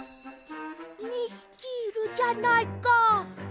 ２ひきいるじゃないか。